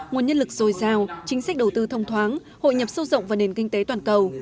nguồn nhân lực dồi dào chính sách đầu tư thông thoáng hội nhập sâu rộng vào nền kinh tế toàn cầu